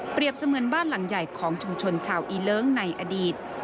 เสมือนบ้านหลังใหญ่ของชุมชนชาวอีเลิ้งในอดีต